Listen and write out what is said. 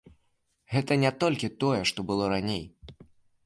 Гэта не толькі тое, што было раней.